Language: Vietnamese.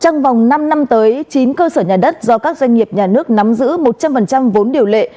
trong vòng năm năm tới chín cơ sở nhà đất do các doanh nghiệp nhà nước nắm giữ một trăm linh vốn điều lệ